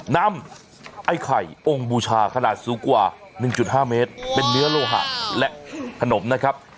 นำไอ้ไข่องค์บูชาขนาดสูงกว่า๑๕เมตรเป็นเนื้อโลหะและขนมนะครับ